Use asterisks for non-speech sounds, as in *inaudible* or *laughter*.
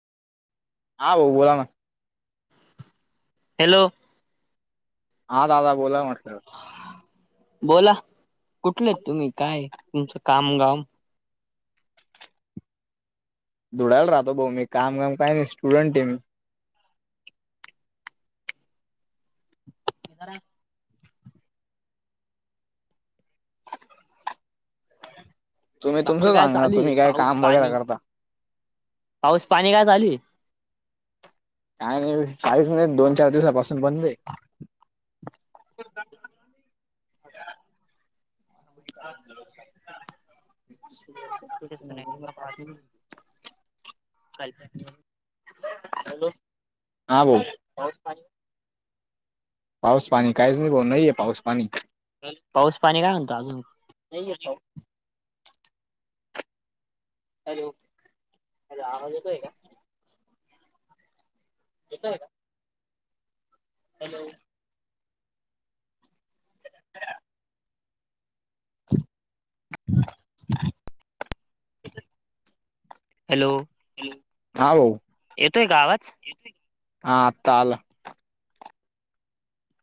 हा भाऊ बोला ना. हॅलो. हा दादा बोला म्हटलं. बोला कुठले तुम्ही काय तुमचं काम गाव? धुळ्याला राहतो भाऊ मी. काम काम काय नाय स्टुडन्ट हाय मी. *unintelligible* तुम्ही बाकी तुमचं काय सांगा ना चालू आहे तुम्ही काय पाऊस काम वगैरे पाणी? करता पाऊस पाणी काय चालू आहे? का काहीच नाही दोन चार दिवसापासून बंद हाय. *inaudible* पाून *inaudible* का? हॅलो. हा बोल पाऊस पाणी पाऊस पाणी काहीच नाही भाऊ. नाहीये पाऊस पाणी. पाऊस पाणी काय म्हणतो अजून? नाहीये पाऊस. हॅलो आवाज येतोय का? येतोय का? हॅलो. *inaudible* हॅलो. हा भाव. येतोय का आवाज? हा आता आला.